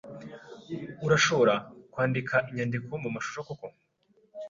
Urashoora kwandika inyandiko mumashusho koko